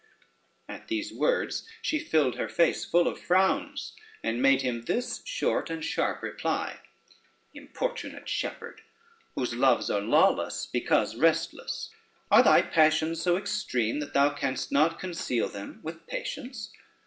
] At these words she filled her face full of frowns, and made him this short and sharp reply: "Importunate shepherd, whose loves are lawless, because restless, are thy passions so extreme that thou canst not conceal them with patience?